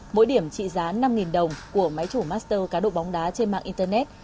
mỗi điểm trị giá năm đồng của máy chủ master cá độ bóng đá trên mạng internet